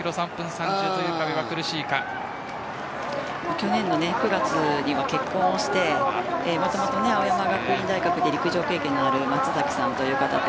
去年の９月に結婚をしてもともと青山学院大学で陸上経験のある松崎さんという方と。